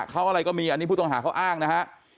เขาอะไรก็มีอันนี้ผู้ต้องหาเขาอ้างนะฮะ